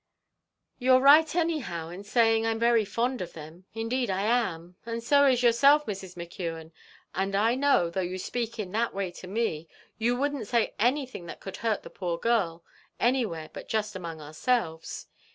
"You're right any how, in saying I'm very fond of them; indeed I am, and so is yourself, Mrs. McKeon; and I know, though you speak in that way to me, you wouldn't say anything that could hurt the poor girl, any where but just among ourselves.